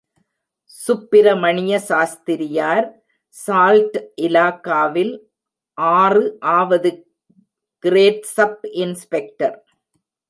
சுப்பிரமணிய சாஸ்திரியார் சால்ட் இலாகாவில் ஆறு ஆவது கிரேட் ஸ்ப் இன்ஸ்பெக்டர்.